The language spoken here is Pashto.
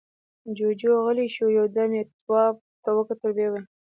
جُوجُو غلی شو، يو دم يې تواب ته وکتل، ويې ويل: